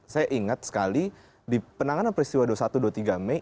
saya ingat sekali di penanganan peristiwa dua puluh satu dua puluh tiga mei